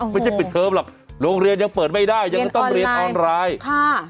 ปิดเทอมหรอกโรงเรียนยังเปิดไม่ได้ยังจะต้องเรียนออนไลน์ค่ะ